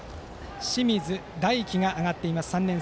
清水大暉が上がっています。